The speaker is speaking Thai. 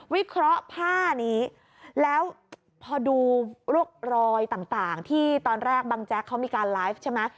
วิเคราะห์ผ้านี้แล้วพอดูพวกรอยต่างที่ตอนแรกบังแจ๊กเขามีการไลฟ์ใช่ไหม